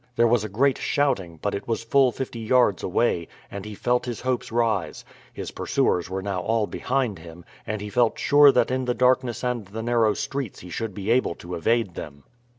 There was a great shouting, but it was full fifty yards away, and he felt his hopes rise. His pursuers were now all behind him, and he felt sure that in the darkness and the narrow streets he should be able to evade them.